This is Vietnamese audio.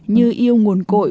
như yêu nguồn cội